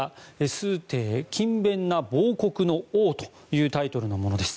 「崇禎：勤勉な亡国の王」というタイトルのものです。